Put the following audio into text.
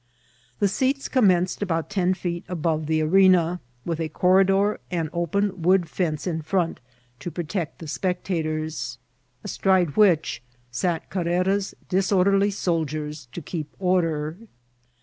The seals commenced about ten feet above die area, with a corridor and c^n wooden fence in front to pro* A BULLFIOHT. S99 tect the qpeetators, astride which sat Carrera's discnr^ derly soldiers to keep order.